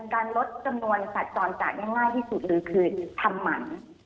การลดจำนวนสัตว์จรจัดได้ง่ายที่สุดเลยคือทำหมัน